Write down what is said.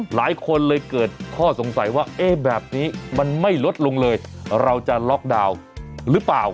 หลายคนเลยเกิดข้อสงสัยว่าเอ๊ะแบบนี้มันไม่ลดลงเลยเราจะล็อกดาวน์หรือเปล่า